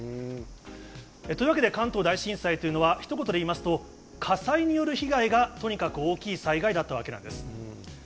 というわけで関東大震災というのは、ひと言で言いますと、火災による被害がとにかく大きい災害だったわけなんです。